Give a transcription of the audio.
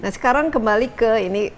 sekarang kembali ke ini